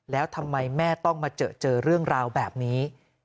แล้วทำไมแม่ต้องมาเจอเรื่องราวแบบนี้